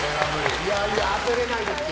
いやいや当てれないですよ。